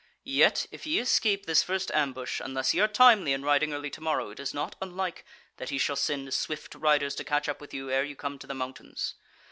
Yet if ye escape this first ambush, unless ye are timely in riding early tomorrow it is not unlike that he shall send swift riders to catch up with you ere ye come to the mountains.